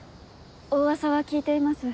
お噂は聞いています